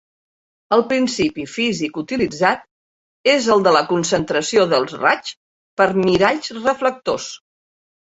El principi físic utilitzat és el de la concentració dels raigs per miralls reflectors.